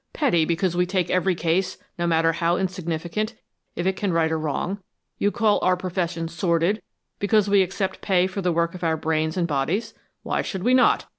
'Petty' because we take every case, no matter how insignificant, if it can right a wrong? You call our profession 'sordid,' because we accept pay for the work of our brains and bodies! Why should we not?